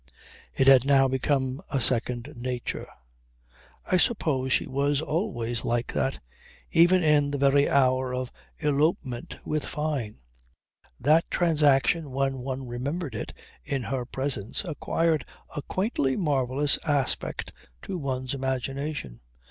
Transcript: It had now become a second nature. I suppose she was always like that; even in the very hour of elopement with Fyne. That transaction when one remembered it in her presence acquired a quaintly marvellous aspect to one's imagination.